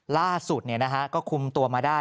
ล่าสุดเนี่ยนะฮะก็คุมตัวมาได้